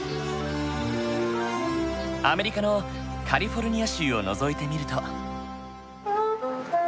アメリカのカリフォルニア州をのぞいてみると。